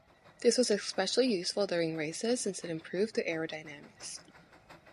This was especially useful during races, since it improved the aerodynamics.